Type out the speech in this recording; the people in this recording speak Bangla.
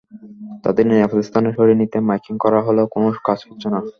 তাদের নিরাপদ স্থানে সরিয়ে নিতে মাইকিং করা হলেও কোনো কাজ হচ্ছে না।